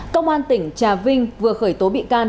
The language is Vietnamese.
công an tỉnh trà vinh vừa khởi tố bị can